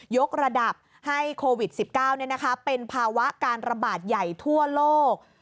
กระดับให้โควิด๑๙เป็นภาวะการระบาดใหญ่ทั่วโลก